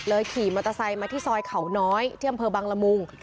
ขี่มอเตอร์ไซค์มาที่ซอยเขาน้อยที่อำเภอบังละมุง